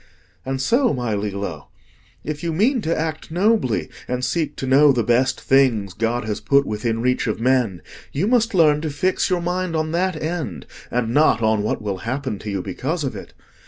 And so, my Lillo, if you mean to act nobly and seek to know the best things God has put within reach of men, you must learn to fix your mind on that end, and not on what will happen to you because of it.